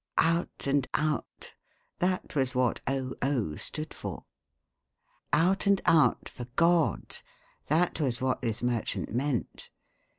"Out and Out" that was what "O.O." stood for. "Out and Out" for God that was what this merchant meant.